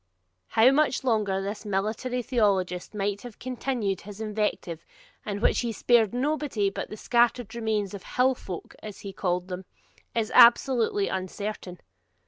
How much longer this military theologist might have continued his invective, in which he spared nobody but the scattered remnant of HILL FOLK, as he called them, is absolutely uncertain.